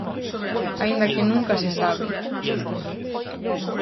Aínda que nunca se sabe...